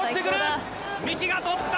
三木が捕った！